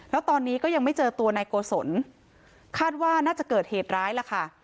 แล้วตอนนี้ก็ยังไม่เจอตัวนายโกศลคาดว่าน่าจะเกิดเหตุร้ายล่ะค่ะ